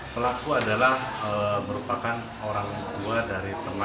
pelaku adalah merupakan orang tua dari teman teman